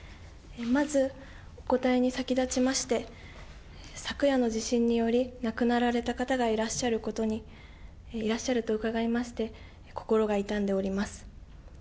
まず、お答えに先立ちまして、昨夜の地震により亡くなられた方がいらっしゃると伺いまして、心が痛んでおります。